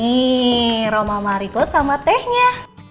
nih roma mariko sama tehnya